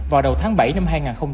vào đầu tháng bảy năm hai nghìn hai mươi